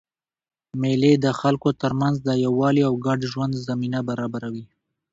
مېلې د خلکو ترمنځ د یووالي او ګډ ژوند زمینه برابروي.